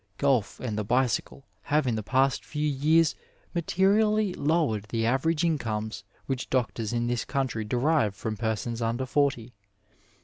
Qolf and the bicycle have in the past few years materially lowered the average incomes which doctors in this country derive from persons under forty.